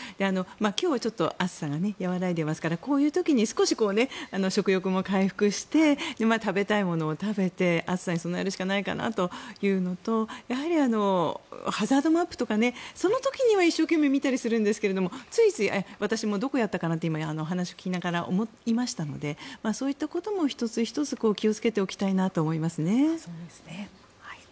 今日は暑さが和らいでいますからこういう時に少し、食欲も回復して食べたいものを食べて暑さに備えるしかないかなというのとやはりハザードマップとかその時には一生懸命見たりするんですけどついつい私もどこやったかなって今、話を聞きながら思いましたのでそういったことも１つ１つ気をつけておきたいなと思いますね。